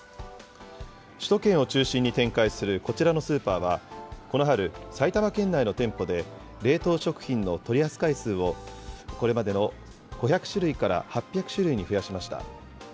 首都圏を中心に展開するこちらのスーパーは、この春、埼玉県内の店舗で、冷凍食品の取り扱い数を、これまでの５００種類から８００種類に増やしました。